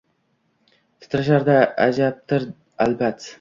Titrashlari ajabdir albat